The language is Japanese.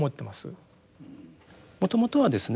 もともとはですね